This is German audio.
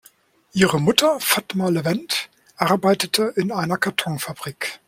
Ihre Mutter Fatma Levent arbeitete in einer Kartonfabrik.